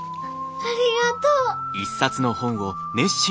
ありがとう！